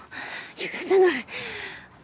許せない！